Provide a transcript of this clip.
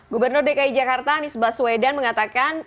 gubernur dki jakarta nisbah suwedan mengatakan